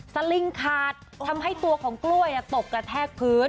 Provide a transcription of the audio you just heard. สลิงขาดทำให้ตัวของกล้วยตกกระแทกพื้น